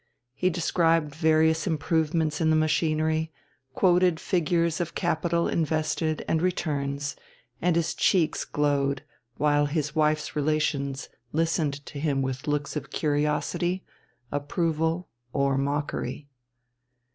He described various improvements in the machinery, quoted figures of capital invested and returns, and his cheeks glowed, while his wife's relations listened to him with looks of curiosity, approval, or mockery.